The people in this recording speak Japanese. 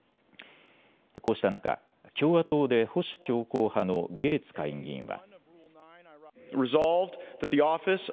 こうした中、共和党で保守強硬派のゲーツ下院議員は。